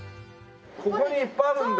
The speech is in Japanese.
ここにいっぱいあるんだ。